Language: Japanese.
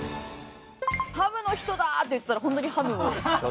「ハムの人だ！」って言ったらホントにハムを。